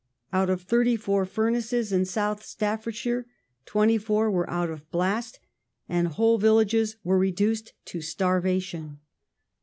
Out of thirty four furnaces in South Staffordshire twenty four were out of blast, and whole villages were reduced to starvation.